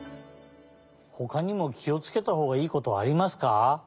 ほかにもきをつけたほうがいいことはありますか？